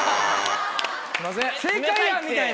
すいません。